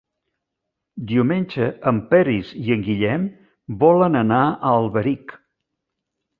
Diumenge en Peris i en Guillem volen anar a Alberic.